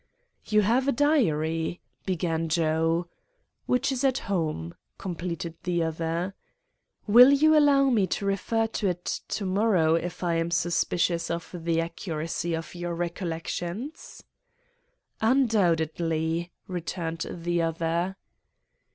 "'You have a diary——' began Joe. "'Which is at home,' completed the other. "'Will you allow me to refer to it to morrow, if I am suspicious of the accuracy of your recollections?' "'Undoubtedly,' returned the other.